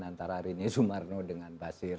antara rini sumarno dengan basir